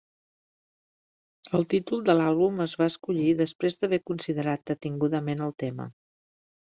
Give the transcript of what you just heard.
El títol de l'àlbum es va escollir després d'haver considerat detingudament el tema.